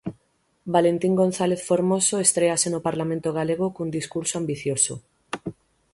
Valentín González Formoso estréase no Parlamento galego cun discurso ambicioso.